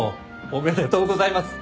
おめでとうございます！